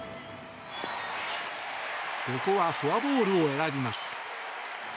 ここはフォアボールを選びます。